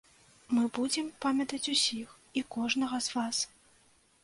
Мы будзем памятаць усіх і кожнага з вас.